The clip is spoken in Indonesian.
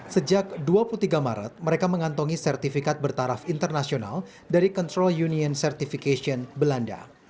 sejak dua puluh tiga maret mereka mengantongi sertifikat bertaraf internasional dari control union certification belanda